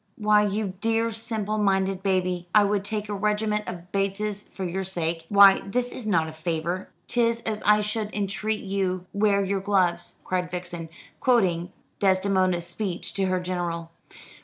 "Why, you dear simple minded baby, I would take a regiment of Bateses for your sake. Why this is not a favour " "''Tis as I should entreat you wear your gloves,'" cried Vixen, quoting Desdemona's speech to her general.